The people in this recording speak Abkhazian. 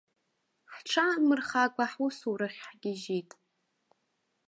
Ҳҽаанмырхакәа ҳусурахь ҳгьежьит.